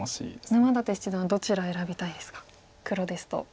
沼舘七段はどちら選びたいですか黒ですと。